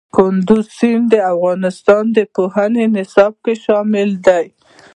کندز سیند د افغانستان د پوهنې نصاب کې شامل دي.